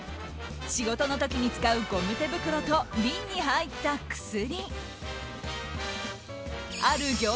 仕事の時に使うゴム手袋と瓶に入った薬。